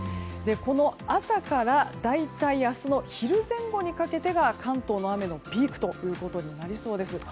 この朝から大体明日の昼前後にかけてが関東の雨のピークということになりそうです。